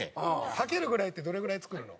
はけるぐらいってどれぐらい作るの？